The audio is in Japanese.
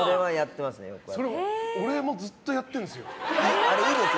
俺もずっとやってるんですよ。